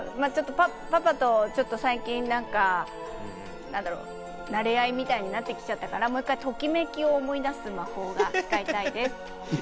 パパとちょっと最近何か馴れ合いみたいになってきちゃったから、もう１回ときめきを思い出す魔法が使いたいです。